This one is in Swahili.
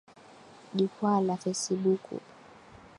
Jukwaa la fesibuku